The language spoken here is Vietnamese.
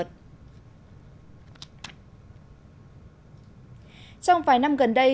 trong vài năm gần đây